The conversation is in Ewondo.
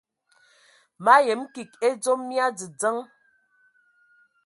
Ma yəm kig edzom mia dzədzəŋ.